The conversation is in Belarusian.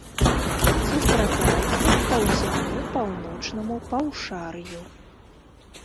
Сустракаецца па ўсяму паўночнаму паўшар'ю.